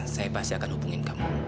saya pasti akan hubungin kamu